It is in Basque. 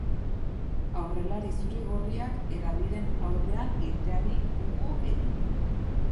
Aurrelari zuri-gorriak hedabideen aurrean irteteari uko egin dio.